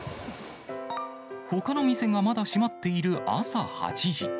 ほかの店がまだ閉まっている朝８時。